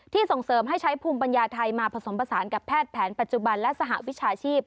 ส่งเสริมให้ใช้ภูมิปัญญาไทยมาผสมผสานกับแพทย์แผนปัจจุบันและสหวิชาชีพ